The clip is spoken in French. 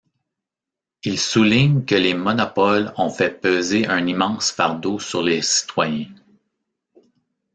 Ils soulignent que les monopoles ont fait peser un immense fardeau sur les citoyens.